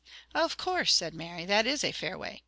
"Of course!" said Mary. "That is a fair way.